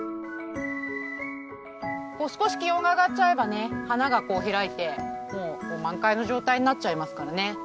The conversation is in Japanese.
少し気温が上がっちゃえば花が開いてもう満開の状態になっちゃいますからね。